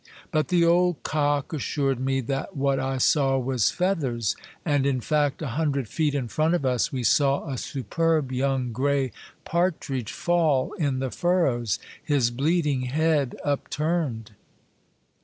But the old cock assured me 294 Monday Tales, that what I saw was feathers, and in fact, a hun dred feet in front of us we saw a superb young gray partridge fall in the furrows, his bleeding head upturned.